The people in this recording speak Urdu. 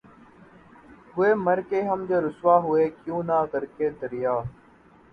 ہوئے مر کے ہم جو رسوا ہوئے کیوں نہ غرقِ دریا